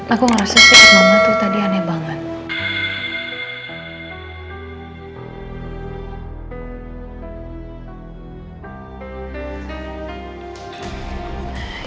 aku ngerasa siat mama tuh tadi aneh banget